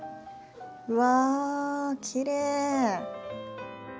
うわきれい！